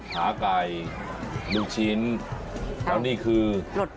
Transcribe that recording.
หาไก่ลูกชิ้นแล้วนี่คือ